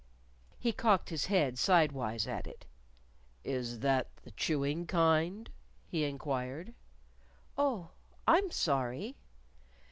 He cocked his head side wise at it. "Is that the chewing kind?" he inquired. "Oh, I'm sorry!"